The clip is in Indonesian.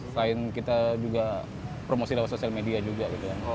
selain kita juga promosi lewat sosial media juga gitu ya